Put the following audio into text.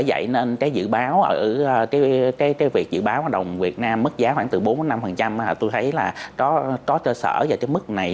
vậy nên việc dự báo đồng việt nam mất giá khoảng từ bốn năm tôi thấy là có trơ sở và mức này